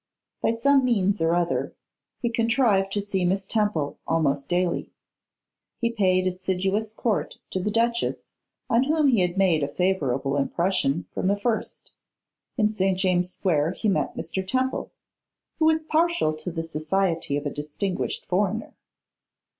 By some means or other he contrived to see Miss Temple almost daily. He paid assiduous court to the duchess, on whom he had made a favourable impression from the first; in St. James' square he met Mr. Temple, who was partial to the society of a distinguished foreigner.